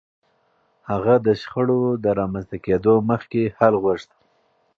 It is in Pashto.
هغه د شخړو د رامنځته کېدو مخکې حل غوښت.